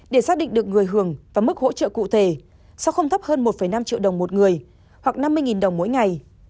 để xác định được người hưởng và mức hỗ trợ cụ thể sau không thấp hơn một năm triệu đồng một người hoặc năm mươi đồng mỗi ngày